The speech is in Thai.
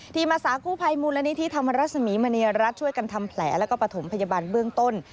ทีมศากู้ภัยมูลและนิทิธรรมรสมิมเนียรัตช่วยกันทำแผลและปฐมพยาบาลเบื้องต้น